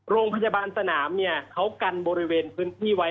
โรงพยาบาลสนามเนี่ยเขากันบริเวณพื้นที่ไว้